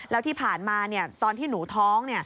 แล้วที่ผ่านมาตอนที่หนูท้อง